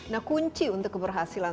nah kunci untuk keberhasilan